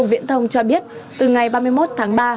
cục viện thông cho biết từ ngày ba mươi một tháng ba